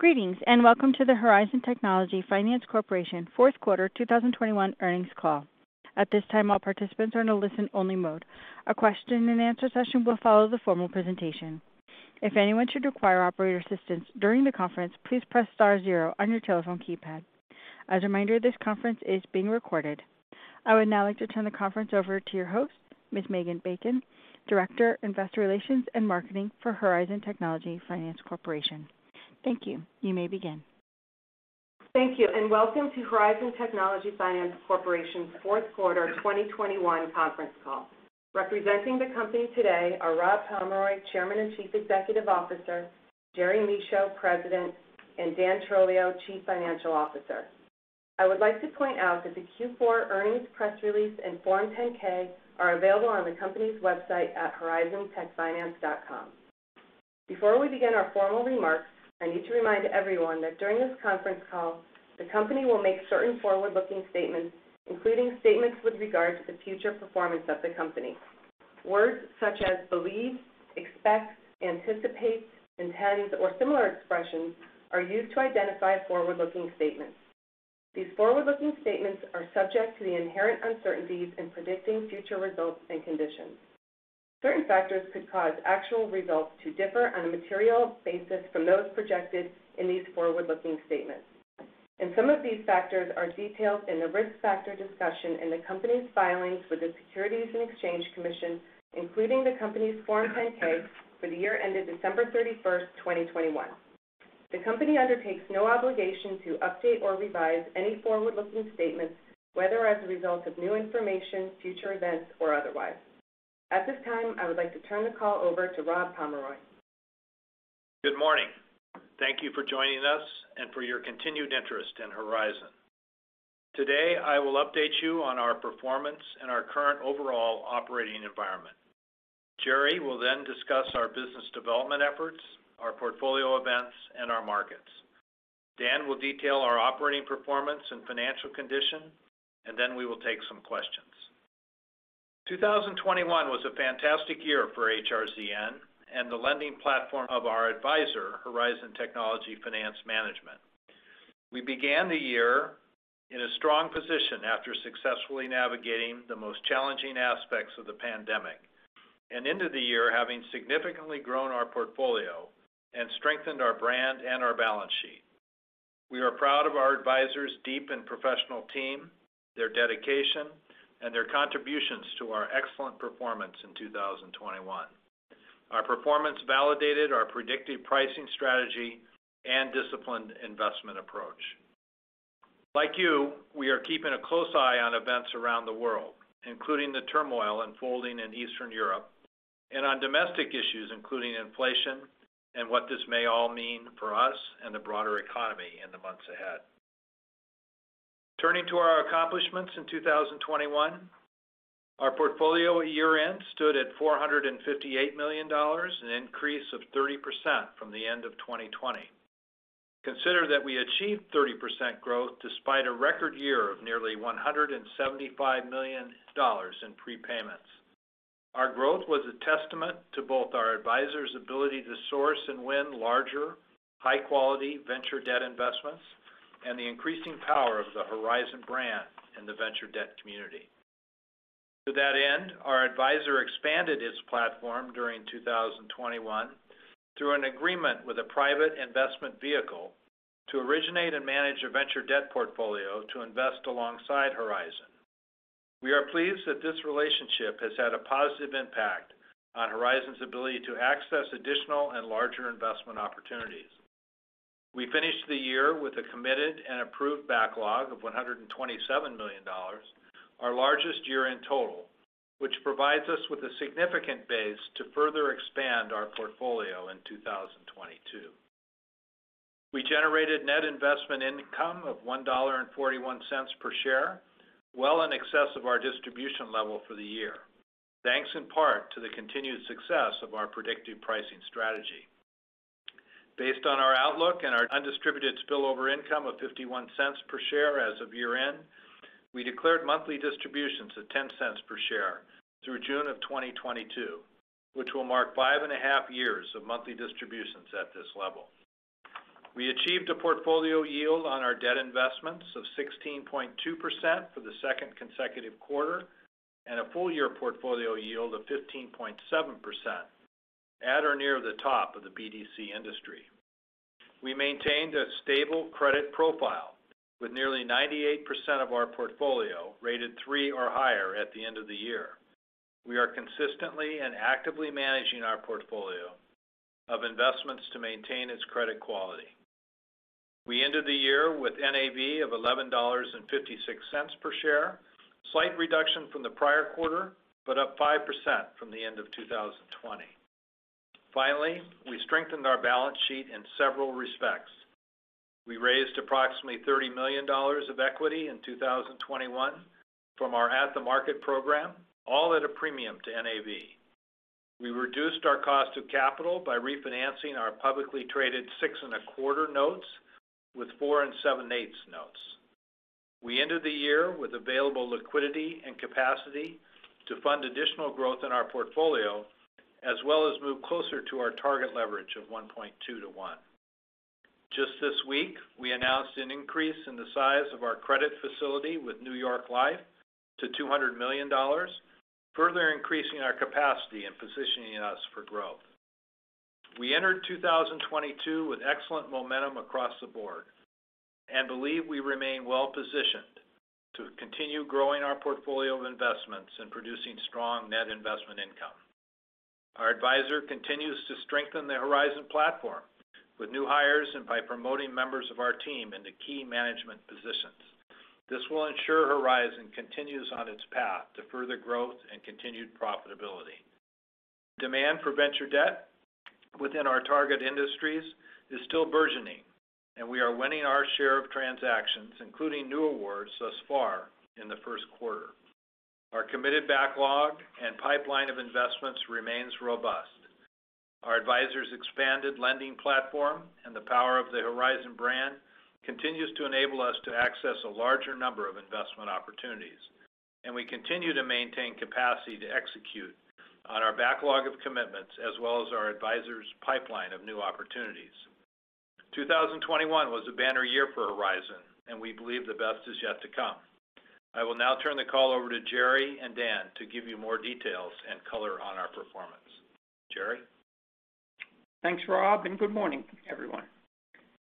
Greetings, and welcome to the Horizon Technology Finance Corporation Fourth Quarter 2021 Earnings Call. At this time, all participants are in a listen-only mode. A question-and-answer session will follow the formal presentation. If anyone should require operator assistance during the conference, please press star zero on your telephone keypad. As a reminder, this conference is being recorded. I would now like to turn the conference over to your host, Ms. Megan Bacon, Director, Investor Relations and Marketing for Horizon Technology Finance Corporation. Thank you. You may begin. Thank you, and welcome to Horizon Technology Finance Corporation's fourth quarter 2021 conference call. Representing the company today are Rob Pomeroy, Chairman and Chief Executive Officer, Gerry Michaud, President, and Dan Trolio, Chief Financial Officer. I would like to point out that the Q4 earnings press release and Form 10-K are available on the company's website at horizontechfinance.com. Before we begin our formal remarks, I need to remind everyone that during this conference call, the company will make certain forward-looking statements, including statements with regard to the future performance of the company. Words such as believe, expect, anticipate, intends, or similar expressions are used to identify forward-looking statements. These forward-looking statements are subject to the inherent uncertainties in predicting future results and conditions. Certain factors could cause actual results to differ on a material basis from those projected in these forward-looking statements, and some of these factors are detailed in the risk factor discussion in the company's filings with the Securities and Exchange Commission, including the company's Form 10-K for the year ended December 31, 2021. The company undertakes no obligation to update or revise any forward-looking statements, whether as a result of new information, future events, or otherwise. At this time, I would like to turn the call over to Rob Pomeroy. Good morning. Thank you for joining us and for your continued interest in Horizon. Today, I will update you on our performance and our current overall operating environment. Gerry will then discuss our business development efforts, our portfolio events, and our markets. Dan will detail our operating performance and financial condition, and then we will take some questions. 2021 was a fantastic year for HRZN and the lending platform of our advisor, Horizon Technology Finance Management. We began the year in a strong position after successfully navigating the most challenging aspects of the pandemic, and going into the year, having significantly grown our portfolio and strengthened our brand and our balance sheet. We are proud of our advisor's deep and professional team, their dedication, and their contributions to our excellent performance in 2021. Our performance validated our predictive pricing strategy and disciplined investment approach. Like you, we are keeping a close eye on events around the world, including the turmoil unfolding in Eastern Europe and on domestic issues, including inflation and what this may all mean for us and the broader economy in the months ahead. Turning to our accomplishments in 2021. Our portfolio at year-end stood at $458 million, an increase of 30% from the end of 2020. Consider that we achieved 30% growth despite a record year of nearly $175 million in prepayments. Our growth was a testament to both our advisor's ability to source and win larger, high-quality venture debt investments and the increasing power of the Horizon brand in the venture debt community. To that end, our advisor expanded its platform during 2021 through an agreement with a private investment vehicle to originate and manage a venture debt portfolio to invest alongside Horizon. We are pleased that this relationship has had a positive impact on Horizon's ability to access additional and larger investment opportunities. We finished the year with a committed and approved backlog of $127 million, our largest year-end total, which provides us with a significant base to further expand our portfolio in 2022. We generated net investment income of $1.41 per share, well in excess of our distribution level for the year, thanks in part to the continued success of our predictive pricing strategy. Based on our outlook and our undistributed spillover income of $0.51 per share as of year-end, we declared monthly distributions of $0.10 per share through June of 2022, which will mark five and a half years of monthly distributions at this level. We achieved a portfolio yield on our debt investments of 16.2% for the second consecutive quarter and a full year portfolio yield of 15.7% at or near the top of the BDC industry. We maintained a stable credit profile with nearly 98% of our portfolio rated three or higher at the end of the year. We are consistently and actively managing our portfolio of investments to maintain its credit quality. We ended the year with NAV of $11.56 per share, slight reduction from the prior quarter, but up 5% from the end of 2020. Finally, we strengthened our balance sheet in several respects. We raised approximately $30 million of equity in 2021 from our at-the-market program, all at a premium to NAV. We reduced our cost of capital by refinancing our publicly traded 6.25% notes with 4.875% notes. We ended the year with available liquidity and capacity to fund additional growth in our portfolio, as well as move closer to our target leverage of 1.2 to 1. Just this week, we announced an increase in the size of our credit facility with New York Life to $200 million, further increasing our capacity and positioning us for growth. We entered 2022 with excellent momentum across the board and believe we remain well-positioned to continue growing our portfolio of investments and producing strong net investment income. Our advisor continues to strengthen the Horizon platform with new hires and by promoting members of our team into key management positions. This will ensure Horizon continues on its path to further growth and continued profitability. Demand for venture debt within our target industries is still burgeoning, and we are winning our share of transactions, including new awards thus far in the first quarter. Our committed backlog and pipeline of investments remains robust. Our advisor's expanded lending platform and the power of the Horizon brand continues to enable us to access a larger number of investment opportunities, and we continue to maintain capacity to execute on our backlog of commitments, as well as our advisor's pipeline of new opportunities. 2021 was a banner year for Horizon, and we believe the best is yet to come. I will now turn the call over to Gerry and Dan to give you more details and color on our performance. Gerald? Thanks, Rob, and good morning, everyone.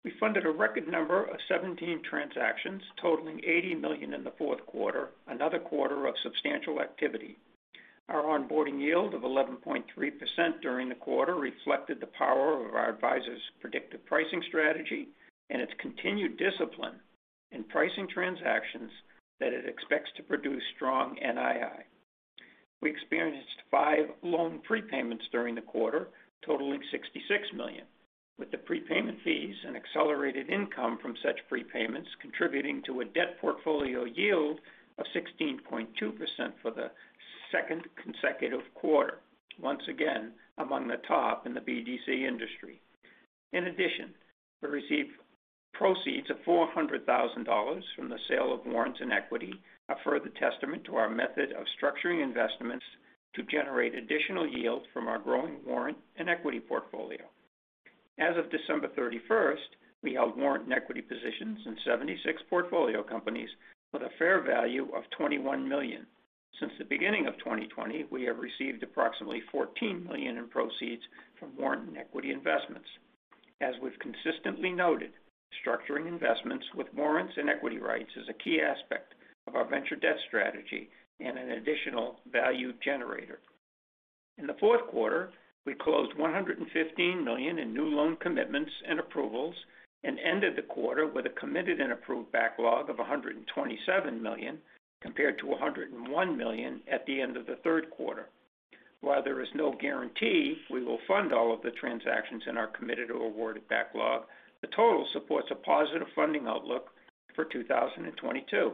We funded a record number of 17 transactions totaling $80 million in the fourth quarter, another quarter of substantial activity. Our onboarding yield of 11.3% during the quarter reflected the power of our advisor's predictive pricing strategy and its continued discipline in pricing transactions that it expects to produce strong NII. We experienced 5 loan prepayments during the quarter, totaling $66 million, with the prepayment fees and accelerated income from such prepayments contributing to a debt portfolio yield of 16.2% for the second consecutive quarter, once again among the top in the BDC industry. In addition, we received proceeds of $400,000 from the sale of warrants and equity, a further testament to our method of structuring investments to generate additional yield from our growing warrant and equity portfolio. As of December 31, we held warrant and equity positions in 76 portfolio companies with a fair value of $21 million. Since the beginning of 2020, we have received approximately $14 million in proceeds from warrant and equity investments. As we've consistently noted, structuring investments with warrants and equity rights is a key aspect of our venture debt strategy and an additional value generator. In the fourth quarter, we closed $115 million in new loan commitments and approvals and ended the quarter with a committed and approved backlog of $127 million, compared to $101 million at the end of the third quarter. While there is no guarantee we will fund all of the transactions in our committed or awarded backlog, the total supports a positive funding outlook for 2022.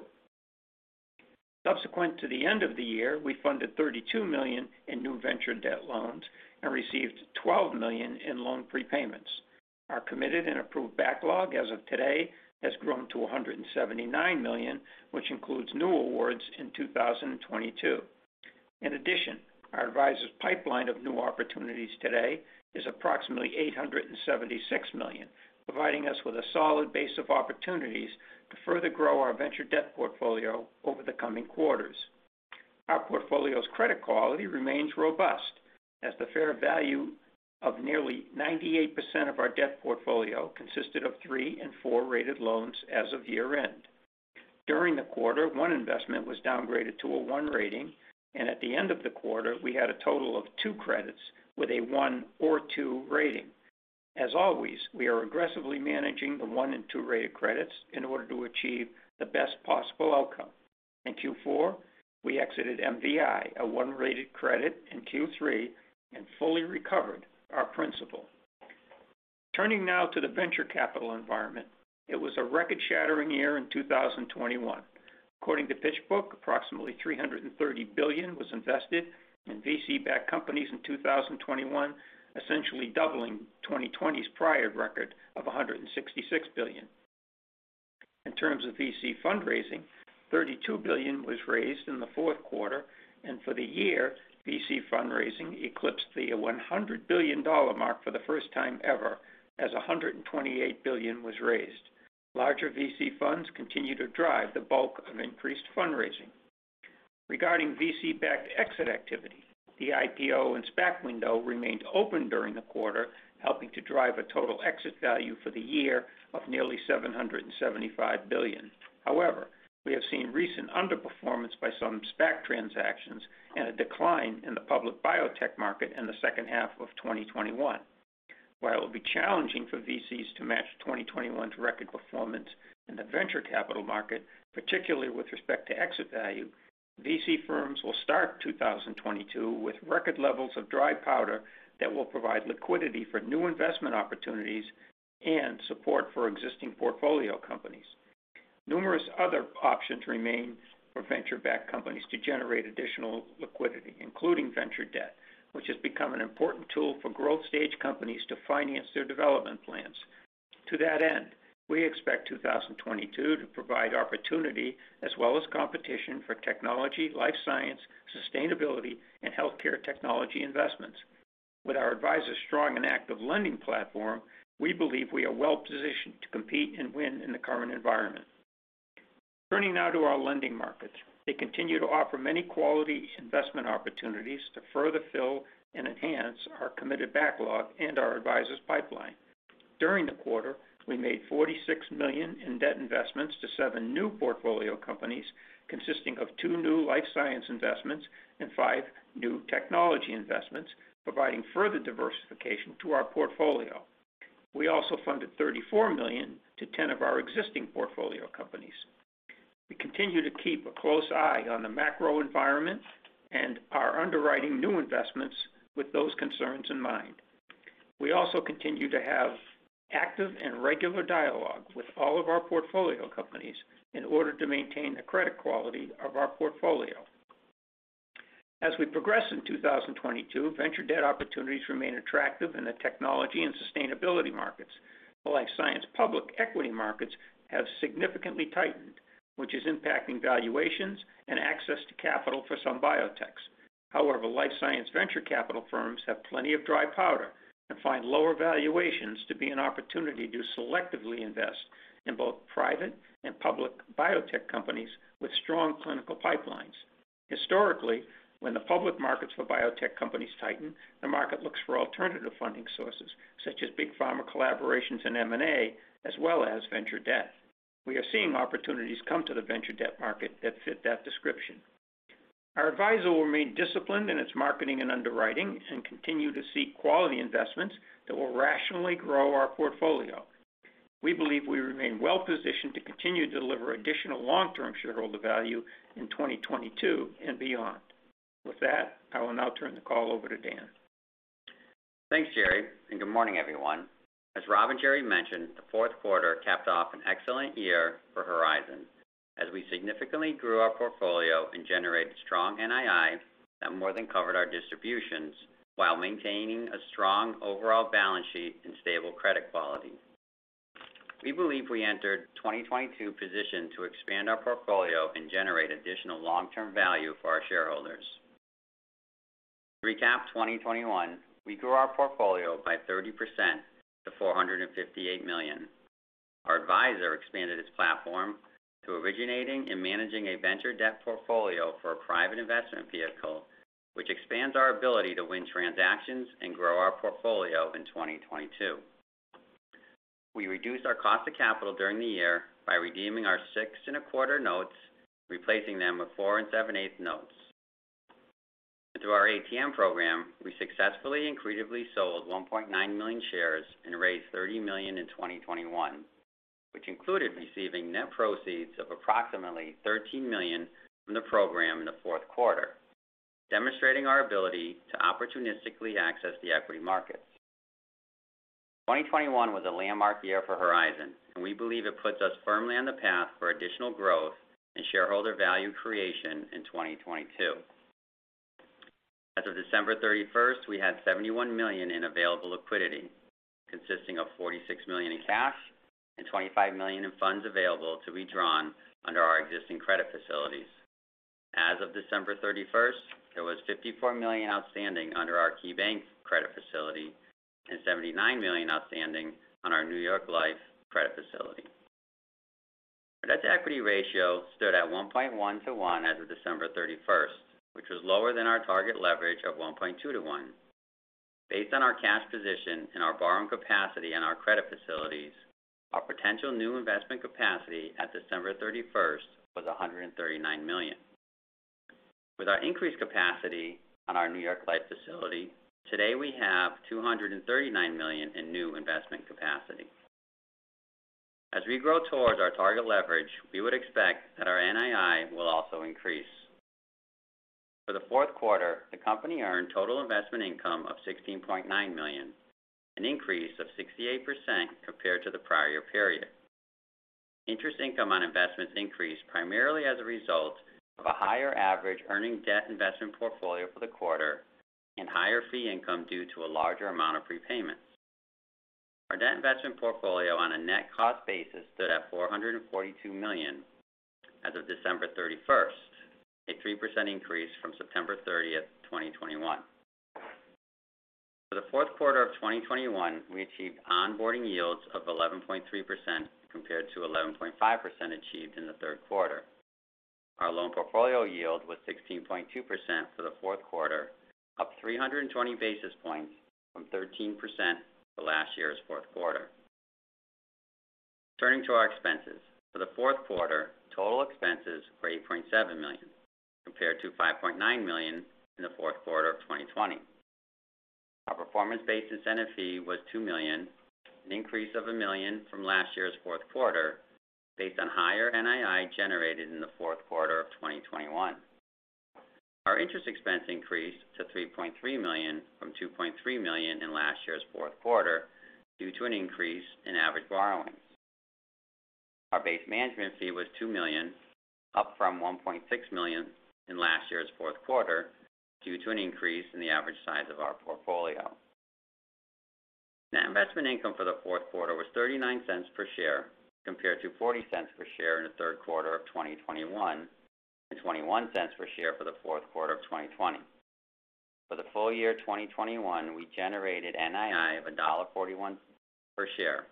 Subsequent to the end of the year, we funded $32 million in new venture debt loans and received $12 million in loan prepayments. Our committed and approved backlog as of today has grown to $179 million, which includes new awards in 2022. In addition, our adviser's pipeline of new opportunities today is approximately $876 million, providing us with a solid base of opportunities to further grow our venture debt portfolio over the coming quarters. Our portfolio's credit quality remains robust as the fair value of nearly 98% of our debt portfolio consisted of 3 and 4 rated loans as of year-end. During the quarter, 1 investment was downgraded to a 1 rating, and at the end of the quarter, we had a total of 2 credits with a 1 or 2 rating. As always, we are aggressively managing the one and two rated credits in order to achieve the best possible outcome. In Q4, we exited MVI, a one-rated credit in Q3, and fully recovered our principal. Turning now to the venture capital environment. It was a record-shattering year in 2021. According to PitchBook, approximately $330 billion was invested in VC-backed companies in 2021, essentially doubling 2020's prior record of $166 billion. In terms of VC fundraising, $32 billion was raised in the fourth quarter, and for the year, VC fundraising eclipsed the $100 billion mark for the first time ever as $128 billion was raised. Larger VC funds continue to drive the bulk of increased fundraising. Regarding VC-backed exit activity, the IPO and SPAC window remained open during the quarter, helping to drive a total exit value for the year of nearly $775 billion. However, we have seen recent underperformance by some SPAC transactions and a decline in the public biotech market in the second half of 2021. While it will be challenging for VCs to match 2021's record performance in the venture capital market, particularly with respect to exit value, VC firms will start 2022 with record levels of dry powder that will provide liquidity for new investment opportunities and support for existing portfolio companies. Numerous other options remain for venture-backed companies to generate additional liquidity, including venture debt, which has become an important tool for growth stage companies to finance their development plans. To that end, we expect 2022 to provide opportunity as well as competition for technology, life science, sustainability, and healthcare technology investments. With our advisor's strong and active lending platform, we believe we are well-positioned to compete and win in the current environment. Turning now to our lending markets. They continue to offer many quality investment opportunities to further fill and enhance our committed backlog and our advisor's pipeline. During the quarter, we made $46 million in debt investments to 7 new portfolio companies, consisting of 2 new life science investments and 5 new technology investments, providing further diversification to our portfolio. We also funded $34 million to 10 of our existing portfolio companies. We continue to keep a close eye on the macro environment and are underwriting new investments with those concerns in mind. We also continue to have active and regular dialogue with all of our portfolio companies in order to maintain the credit quality of our portfolio. As we progress in 2022, venture debt opportunities remain attractive in the technology and sustainability markets. The life science public equity markets have significantly tightened, which is impacting valuations and access to capital for some biotechs. However, life science venture capital firms have plenty of dry powder and find lower valuations to be an opportunity to selectively invest in both private and public biotech companies with strong clinical pipelines. Historically, when the public markets for biotech companies tighten, the market looks for alternative funding sources such as big pharma collaborations and M&A, as well as venture debt. We are seeing opportunities come to the venture debt market that fit that description. Our advisor will remain disciplined in its marketing and underwriting and continue to seek quality investments that will rationally grow our portfolio. We believe we remain well-positioned to continue to deliver additional long-term shareholder value in 2022 and beyond. With that, I will now turn the call over to Dan. Thanks, Jerry, and good morning, everyone. As Rob and Jerry mentioned, the fourth quarter capped off an excellent year for Horizon as we significantly grew our portfolio and generated strong NII that more than covered our distributions while maintaining a strong overall balance sheet and stable credit quality. We believe we entered 2022 positioned to expand our portfolio and generate additional long-term value for our shareholders. To recap 2021, we grew our portfolio by 30% to $458 million. Our advisor expanded its platform to originating and managing a venture debt portfolio for a private investment vehicle, which expands our ability to win transactions and grow our portfolio in 2022. We reduced our cost of capital during the year by redeeming our 6.25% notes, replacing them with 4.875% notes. Through our ATM program, we successfully and creatively sold 1.9 million shares and raised $30 million in 2021, which included receiving net proceeds of approximately $13 million from the program in the fourth quarter, demonstrating our ability to opportunistically access the equity markets. 2021 was a landmark year for Horizon, and we believe it puts us firmly on the path for additional growth and shareholder value creation in 2022. As of December 31, we had $71 million in available liquidity, consisting of $46 million in cash and $25 million in funds available to be drawn under our existing credit facilities. As of December 31, there was $54 million outstanding under our KeyBank credit facility and $79 million outstanding on our New York Life credit facility. Our debt-to-equity ratio stood at 1.1 to 1 as of December 31, which was lower than our target leverage of 1.2-1. Based on our cash position and our borrowing capacity and our credit facilities, our potential new investment capacity at December 31 was $139 million. With our increased capacity on our New York Life facility, today, we have $239 million in new investment capacity. As we grow towards our target leverage, we would expect that our NII will also increase. For the fourth quarter, the company earned total investment income of $16.9 million, an increase of 68% compared to the prior period. Interest income on investments increased primarily as a result of a higher average earning debt investment portfolio for the quarter and higher fee income due to a larger amount of prepayments. Our debt investment portfolio on a net cost basis stood at $442 million as of December 31, 2021, a 3% increase from September 30, 2021. For the fourth quarter of 2021, we achieved onboarding yields of 11.3% compared to 11.5% achieved in the third quarter. Our loan portfolio yield was 16.2% for the fourth quarter, up 320 basis points from 13% for last year's fourth quarter. Turning to our expenses. For the fourth quarter, total expenses were $8.7 million, compared to $5.9 million in the fourth quarter of 2020. Our performance-based incentive fee was $2 million, an increase of $1 million from last year's fourth quarter, based on higher NII generated in the fourth quarter of 2021. Our interest expense increased to $3.3 million from $2.3 million in last year's fourth quarter due to an increase in average borrowings. Our base management fee was $2 million, up from $1.6 million in last year's fourth quarter, due to an increase in the average size of our portfolio. Net investment income for the fourth quarter was $0.39 per share, compared to $0.40 per share in the third quarter of 2021, and $0.21 per share for the fourth quarter of 2020. For the full year 2021, we generated NII of $1.41 per share,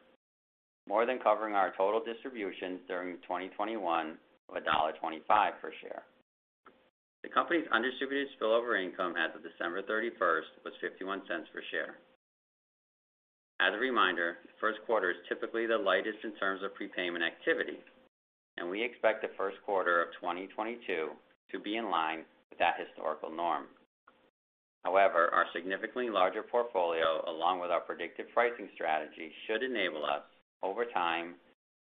more than covering our total distributions during 2021 of $1.25 per share. The company's undistributed spillover income as of December 31 was $0.51 per share. As a reminder, the first quarter is typically the lightest in terms of prepayment activity, and we expect the first quarter of 2022 to be in line with that historical norm. However, our significantly larger portfolio, along with our predictive pricing strategy, should enable us, over time,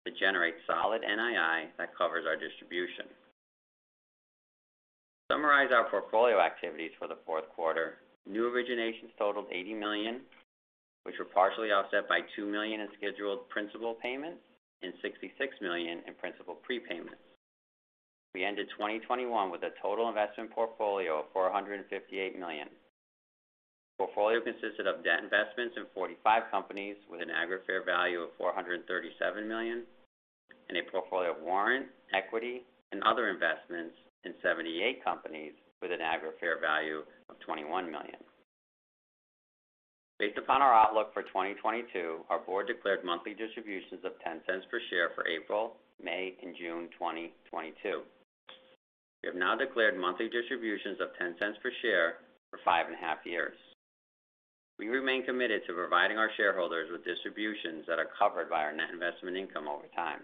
to generate solid NII that covers our distribution. To summarize our portfolio activities for the fourth quarter, new originations totaled $80 million, which were partially offset by $2 million in scheduled principal payments and $66 million in principal prepayments. We ended 2021 with a total investment portfolio of $458 million. The portfolio consisted of debt investments in 45 companies with an aggregate fair value of $437 million, and a portfolio of warrant, equity, and other investments in 78 companies with an aggregate fair value of $21 million. Based upon our outlook for 2022, our board declared monthly distributions of $0.10 per share for April, May, and June 2022. We have now declared monthly distributions of $0.10 per share for 5.5 years. We remain committed to providing our shareholders with distributions that are covered by our net investment income over time.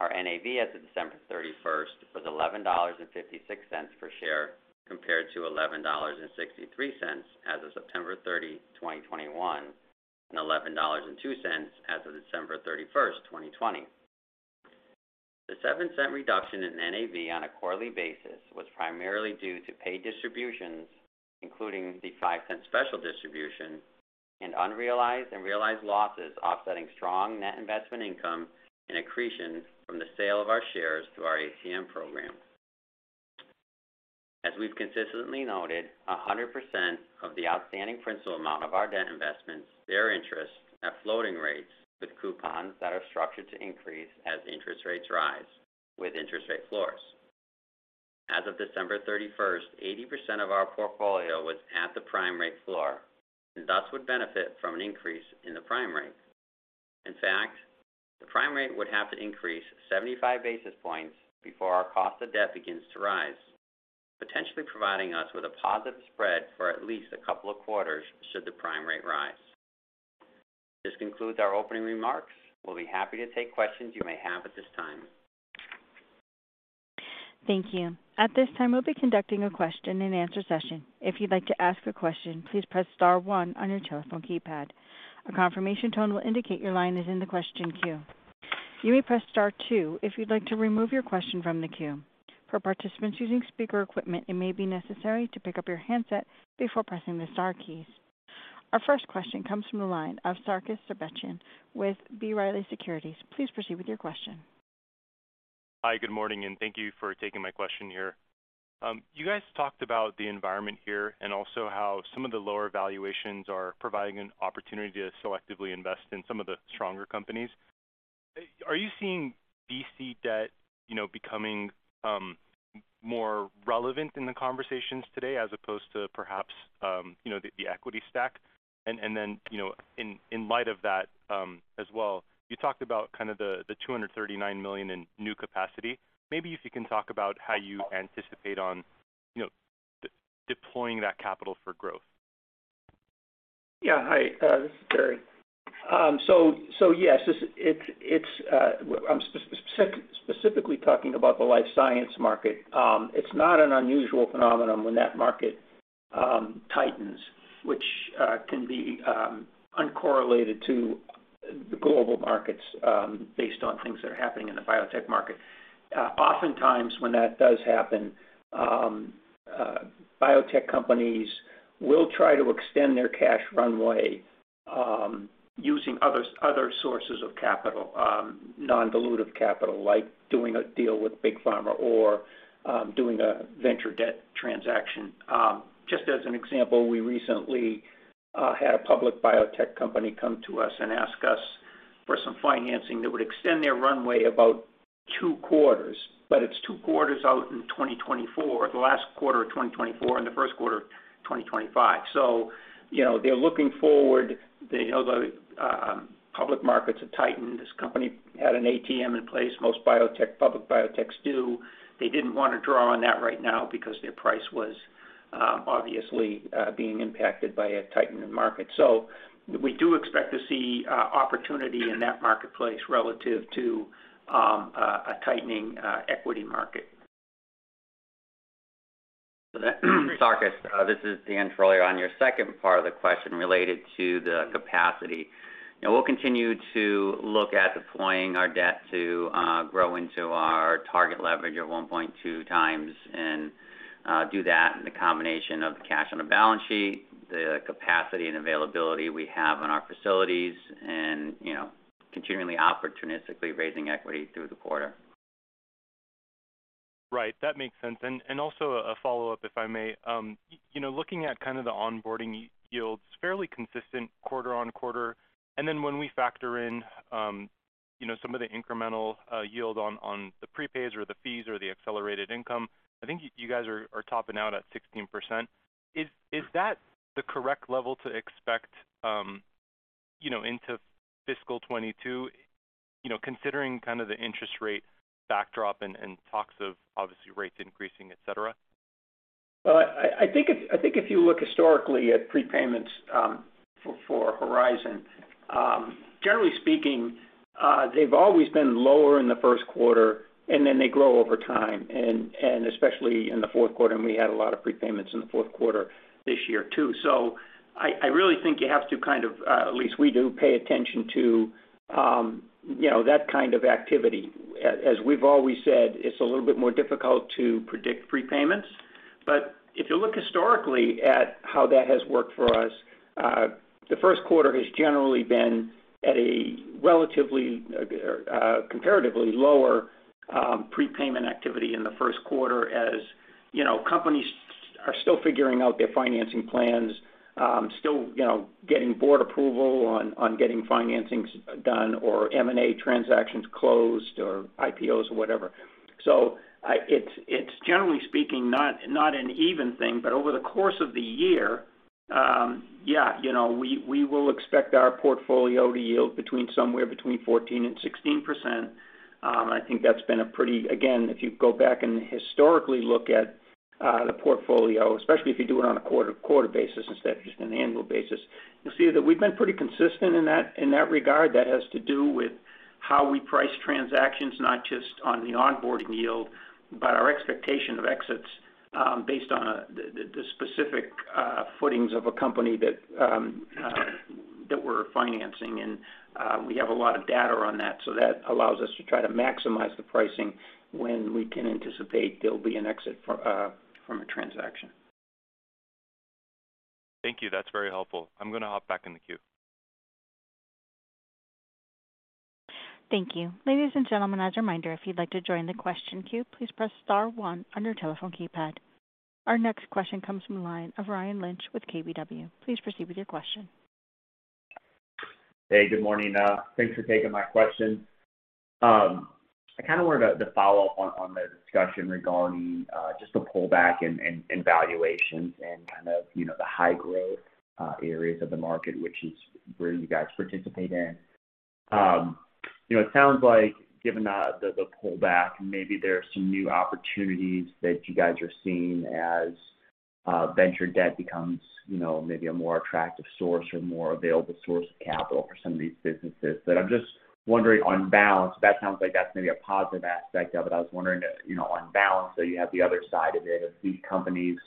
Our NAV as of December 31 was $11.56 per share, compared to $11.63 as of September 30, 2021, and $11.02 as of December 31, 2020. The 7-cent reduction in NAV on a quarterly basis was primarily due to paid distributions, including the $0.05 special distribution and unrealized and realized losses offsetting strong net investment income and accretion from the sale of our shares through our ATM program. As we've consistently noted, 100% of the outstanding principal amount of our debt investments bear interest at floating rates with coupons that are structured to increase as interest rates rise with interest rate floors. As of December 31, 80% of our portfolio was at the prime rate floor and thus would benefit from an increase in the prime rate. In fact, the prime rate would have to increase 75 basis points before our cost of debt begins to rise, potentially providing us with a positive spread for at least a couple of quarters should the prime rate rise. This concludes our opening remarks. We'll be happy to take questions you may have at this time. Thank you. At this time, we'll be conducting a question and answer session. If you'd like to ask a question, please press star one on your telephone keypad. A confirmation tone will indicate your line is in the question queue. You may press star two if you'd like to remove your question from the queue. For participants using speaker equipment, it may be necessary to pick up your handset before pressing the star keys. Our first question comes from the line of Sarkis Sherbetchian with B. Riley Securities. Please proceed with your question. Hi, good morning, and thank you for taking my question here. You guys talked about the environment here and also how some of the lower valuations are providing an opportunity to selectively invest in some of the stronger companies. Are you seeing VC debt, you know, becoming more relevant in the conversations today as opposed to perhaps, you know, the equity stack? Then, you know, in light of that, as well, you talked about kind of the $239 million in new capacity. Maybe if you can talk about how you anticipate deploying that capital for growth. Yeah. Hi, this is Gerry. Yes, I'm specifically talking about the life science market. It's not an unusual phenomenon when that market tightens, which can be uncorrelated to the global markets, based on things that are happening in the biotech market. Oftentimes, when that does happen, biotech companies will try to extend their cash runway, using other sources of capital, non-dilutive capital, like doing a deal with Big Pharma or doing a venture debt transaction. Just as an example, we recently had a public biotech company come to us and ask us for some financing that would extend their runway about two quarters. It's two quarters out in 2024, the last quarter of 2024 and the first quarter of 2025. You know, they're looking forward. They know the public markets have tightened. This company had an ATM in place. Most biotech, public biotechs do. They didn't wanna draw on that right now because their price was obviously being impacted by a tightened market. We do expect to see opportunity in that marketplace relative to a tightening equity market. Sarkis, this is Dan Trolio on your second part of the question related to the capacity. You know, we'll continue to look at deploying our debt to grow into our target leverage of 1.2x, and do that in the combination of the cash on the balance sheet, the capacity and availability we have on our facilities, and, you know, continually opportunistically raising equity through the quarter. Right. That makes sense. Also a follow-up, if I may. You know, looking at kind of the onboarding yields, fairly consistent quarter-over-quarter. Then when we factor in, you know, some of the incremental yield on the prepays or the fees or the accelerated income, I think you guys are topping out at 16%. Is that the correct level to expect, you know, into fiscal 2022, you know, considering kind of the interest rate backdrop and talks of obviously rates increasing, et cetera? Well, I think if you look historically at prepayments for Horizon, generally speaking, they've always been lower in the first quarter, and then they grow over time, and especially in the fourth quarter, and we had a lot of prepayments in the fourth quarter this year too. I really think you have to kind of, at least we do, pay attention to, you know, that kind of activity. As we've always said, it's a little bit more difficult to predict prepayments. If you look historically at how that has worked for us, the first quarter has generally been at a relatively, comparatively lower, prepayment activity in the first quarter. As you know, companies are still figuring out their financing plans, still, you know, getting board approval on getting financings done or M&A transactions closed or IPOs or whatever. It's generally speaking not an even thing, but over the course of the year, yeah, you know, we will expect our portfolio to yield between somewhere between 14% and 16%. I think that's been a pretty. Again, if you go back and historically look at the portfolio, especially if you do it on a quarter-to-quarter basis instead of just an annual basis, you'll see that we've been pretty consistent in that regard. That has to do with how we price transactions not just on the onboarding yield, but our expectation of exits, based on the specific footings of a company that we're financing and we have a lot of data on that. So that allows us to try to maximize the pricing when we can anticipate there'll be an exit from a transaction. Thank you. That's very helpful. I'm gonna hop back in the queue. Thank you. Ladies and gentlemen, as a reminder, if you'd like to join the question queue, please press star one on your telephone keypad. Our next question comes from the line of Ryan Lynch with KBW. Please proceed with your question. Hey, good morning. Thanks for taking my question. I kind of wanted to follow up on the discussion regarding just the pullback in valuations and kind of, you know, the high growth areas of the market, which is where you guys participate in. You know, it sounds like given the pullback, maybe there are some new opportunities that you guys are seeing as venture debt becomes, you know, maybe a more attractive source or more available source of capital for some of these businesses. I'm just wondering on balance, that sounds like that's maybe a positive aspect of it. I was wondering, you know, on balance that you have the other side of it, of these companies,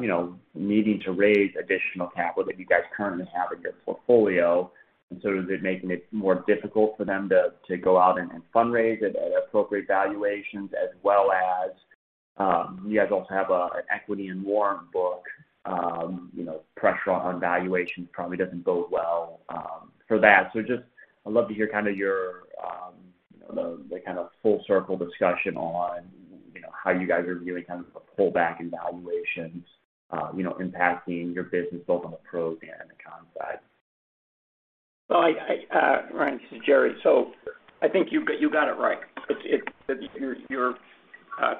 you know, needing to raise additional capital that you guys currently have in your portfolio. Is it making it more difficult for them to go out and fundraise at appropriate valuations as well as you guys also have an equity and warrant book, you know, pressure on valuations probably doesn't bode well for that. Just I'd love to hear kind of your, the kind of full circle discussion on, you know, how you guys are viewing kind of the pullback in valuations, you know, impacting your business both on the pros and the con side. Well, Ryan, this is Gerry. I think you got it right. Your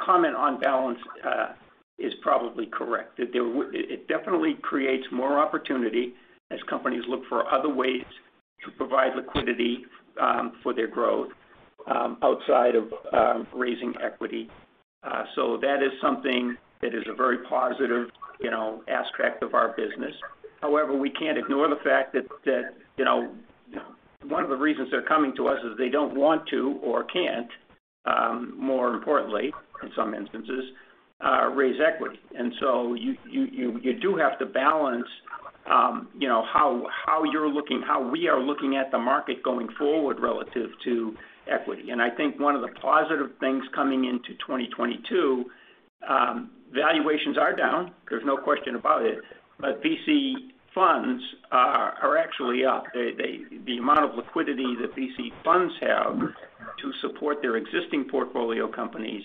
comment on balance is probably correct. It definitely creates more opportunity as companies look for other ways to provide liquidity for their growth outside of raising equity. That is something that is a very positive, you know, aspect of our business. However, we can't ignore the fact that, you know, one of the reasons they're coming to us is they don't want to or can't, more importantly in some instances, raise equity. You do have to balance, you know, how you're looking, how we are looking at the market going forward relative to equity. I think one of the positive things coming into 2022, valuations are down. There's no question about it, but VC funds are actually up. The amount of liquidity that VC funds have to support their existing portfolio companies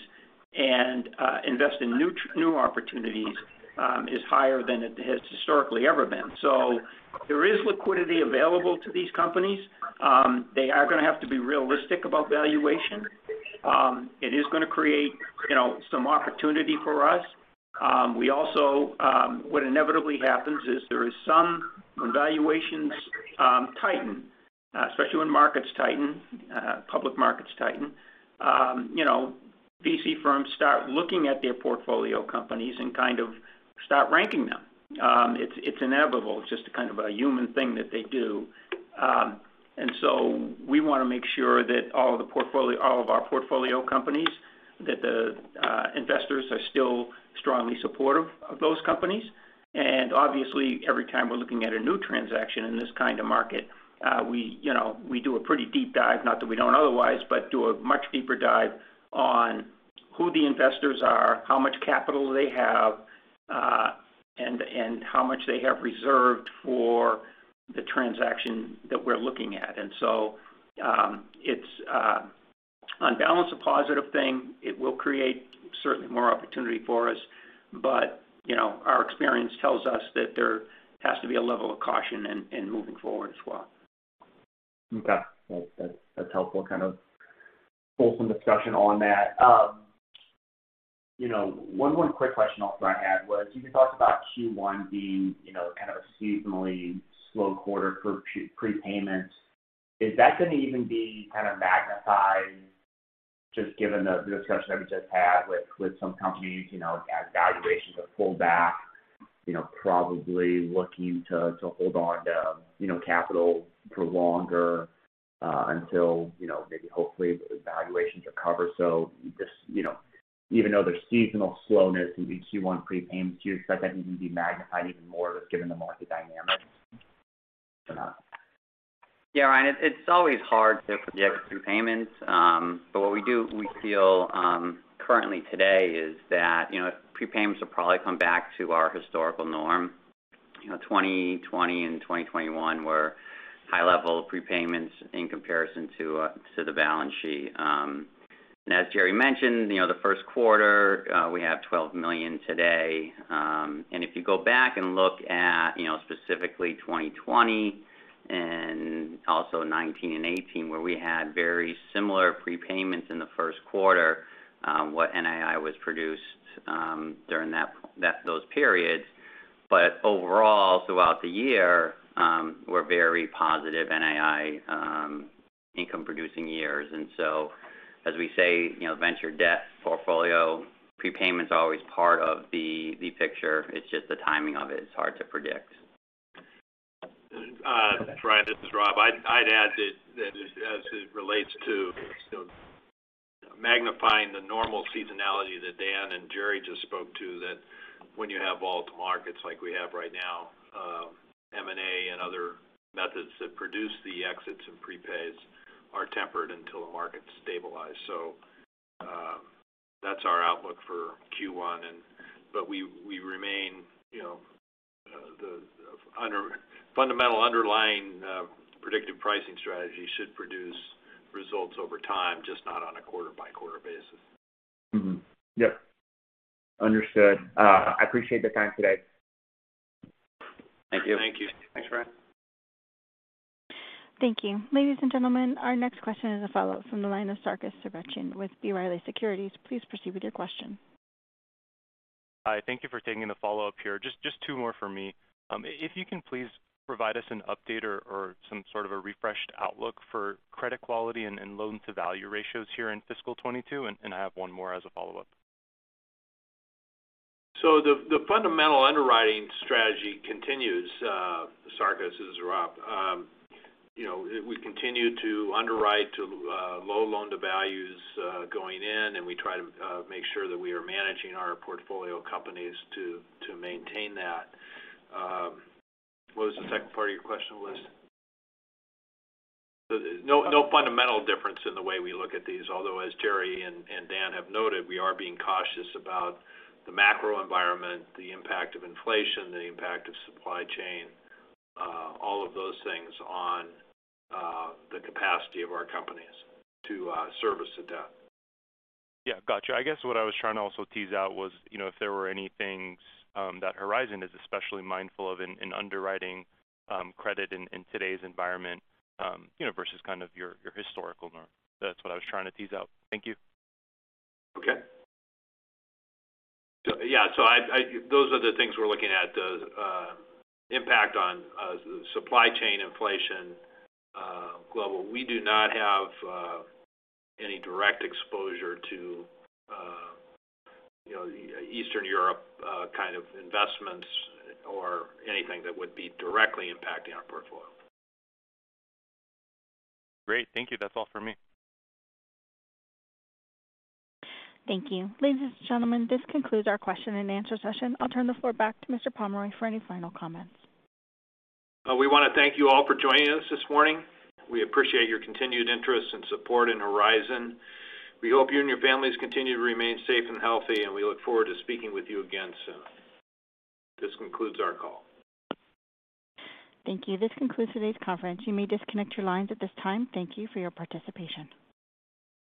and invest in new opportunities is higher than it has historically ever been. So there is liquidity available to these companies. They are gonna have to be realistic about valuation. It is gonna create, you know, some opportunity for us. What inevitably happens is valuations tighten, especially when markets tighten, public markets tighten. You know, VC firms start looking at their portfolio companies and kind of start ranking them. It's inevitable. It's just kind of a human thing that they do. We want to make sure that all of our portfolio companies, that the investors are still strongly supportive of those companies. Obviously, every time we're looking at a new transaction in this kind of market, we, you know, do a pretty deep dive, not that we don't otherwise, but do a much deeper dive on who the investors are, how much capital they have. how much they have reserved for the transaction that we're looking at. It's on balance, a positive thing. It will create certainly more opportunity for us. You know, our experience tells us that there has to be a level of caution in moving forward as well. Okay. That's helpful. Kind of pull some discussion on that. You know, one more quick question also I had was you can talk about Q1 being, you know, kind of a seasonally slow quarter for prepayments. Is that gonna even be kind of magnified just given the discussion that we just had with some companies, you know, as valuations are pulled back, you know, probably looking to hold on to, you know, capital for longer, until, you know, maybe hopefully those valuations recover. So just, you know, even though there's seasonal slowness in the Q1 prepayments, do you expect that even to be magnified even more just given the market dynamics or not? Yeah, Ryan, it's always hard to project prepayments. But what we do, we feel, currently today is that, you know, prepayments will probably come back to our historical norm. You know, 2020 and 2021 were high level prepayments in comparison to the balance sheet. And as Gerry mentioned, you know, the first quarter, we have $12 million today. And if you go back and look at, you know, specifically 2020 and also 2019 and 2018, where we had very similar prepayments in the first quarter, what NII was produced during those periods. But overall, throughout the year, were very positive NII income producing years. As we say, you know, venture debt portfolio prepayment is always part of the picture. It's just the timing of it is hard to predict. Ryan, this is Rob. I'd add that as it relates to magnifying the normal seasonality that Dan and Gerry just spoke to, that when you have volatile markets like we have right now, M&A and other methods that produce the exits and prepays are tempered until the markets stabilize. That's our outlook for Q1. We remain, you know, the underlying fundamental predictive pricing strategy should produce results over time, just not on a quarter-by-quarter basis. Yep. Understood. I appreciate the time today. Thank you. Thank you. Thanks, Ryan. Thank you. Ladies and gentlemen, our next question is a follow-up from the line of Sarkis Sherbetchian with B. Riley Securities. Please proceed with your question. Hi. Thank you for taking the follow-up here. Just two more for me. If you can please provide us an update or some sort of a refreshed outlook for credit quality and loan to value ratios here in fiscal 2022. I have one more as a follow-up. The fundamental underwriting strategy continues, Sarkis. This is Rob. You know, we continue to underwrite to low loan to values going in, and we try to make sure that we are managing our portfolio companies to maintain that. What was the second part of your question, please? No, no fundamental difference in the way we look at these. Although, as Gerry and Dan have noted, we are being cautious about the macro environment, the impact of inflation, the impact of supply chain, all of those things on the capacity of our companies to service the debt. Yeah. Gotcha. I guess what I was trying to also tease out was, you know, if there were any things that Horizon is especially mindful of in underwriting credit in today's environment, you know, versus kind of your historical norm. That's what I was trying to tease out. Thank you. Okay. Yeah. Those are the things we're looking at, the impact on supply chain inflation, global. We do not have any direct exposure to, you know, Eastern Europe kind of investments or anything that would be directly impacting our portfolio. Great. Thank you. That's all for me. Thank you. Ladies and gentlemen, this concludes our question and answer session. I'll turn the floor back to Mr. Pomeroy for any final comments. We wanna thank you all for joining us this morning. We appreciate your continued interest and support in Horizon. We hope you and your families continue to remain safe and healthy, and we look forward to speaking with you again soon. This concludes our call. Thank you. This concludes today's conference. You may disconnect your lines at this time. Thank you for your participation.